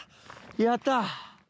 やった。